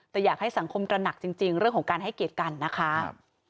แต่อยากให้สังคมตระหนักจริงเรื่องของการให้เกียรติกันนะคะ